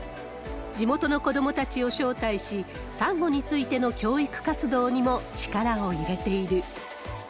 地元の子どもたちを招待し、サンゴについての教育活動にも力を入れている。